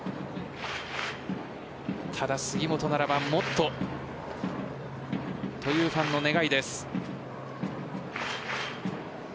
ただ、杉本ならばもっとというファンの願いです。